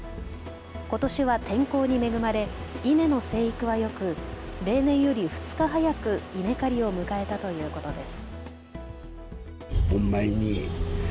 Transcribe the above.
ことしは天候に恵まれ稲の生育はよく例年より２日早く稲刈りを迎えたということです。